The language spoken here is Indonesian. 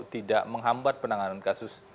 tidak menghambat penanganan kasus